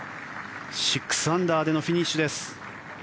６アンダーでのフィニッシュです。